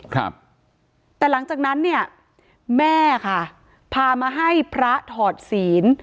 ครับแต่หลังจากนั้นเนี่ยแม่ค่ะพามาให้พระถอดศีล